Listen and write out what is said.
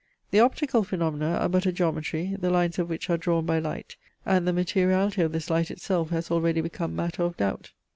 The optical phaenomena are but a geometry, the lines of which are drawn by light, and the materiality of this light itself has already become matter of doubt.